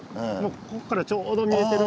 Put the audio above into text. ここからちょうど見えてる。